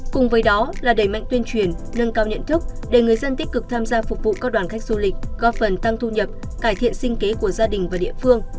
cùng với đó là đẩy mạnh tuyên truyền nâng cao nhận thức để người dân tích cực tham gia phục vụ các đoàn khách du lịch góp phần tăng thu nhập cải thiện sinh kế của gia đình và địa phương